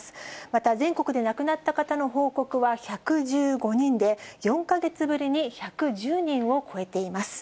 また、全国で亡くなった方の報告は１１５人で、４か月ぶりに１１０人を超えています。